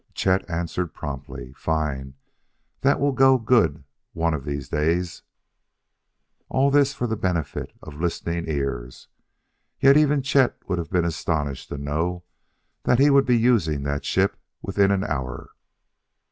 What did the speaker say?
Chet answered promptly, "Fine; that will go good one of these days." All this for the benefit of listening ears. Yet even Chet would have been astonished to know that he would be using that ship within an hour....